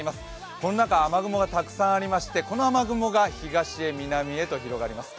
この中、雨雲がたくさんありましてこの雨雲が東へ南へと広がります。